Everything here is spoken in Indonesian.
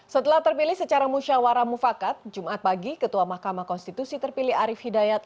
setelah terpilih secara musya'oramufakat jumat pagi ketua mahkamah konstitusi terpilih arif hidayat